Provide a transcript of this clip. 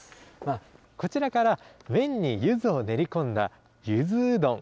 こちらから麺にゆずを練り込んだゆずうどん。